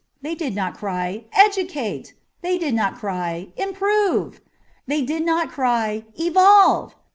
' They did not cry * Educate !' They did not cry * Improve !' They did not cry ' Evolve